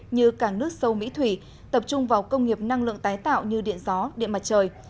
như cảng nước sâu mỹ thủy tập trung vào công nghiệp năng lượng tái tạo như điện gió điện mặt trời